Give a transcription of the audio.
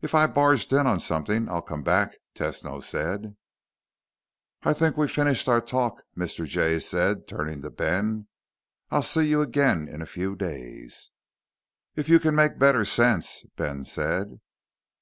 "If I barged in on something, I'll come back," Tesno said. "I think we've finished our talk," Mr. Jay said, turning to Ben. "I'll see you again in a few days." "If you can make better sense," Ben said.